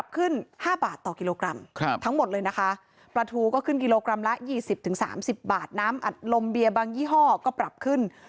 ก็ขึ้นกิโลกรัมละ๒๐๓๐บาทน้ำอัดลมเบียบางยี่ห้อก็ปรับขึ้น